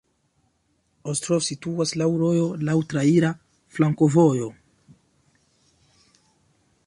Ostrov situas laŭ rojo, laŭ traira flankovojo.